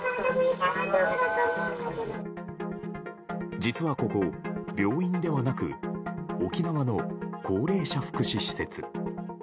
実はここ、病院ではなく沖縄の高齢者福祉施設。